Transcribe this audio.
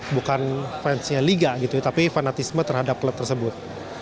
bukan fansnya liga gitu ya tapi fanatisme terhadap klub tersebut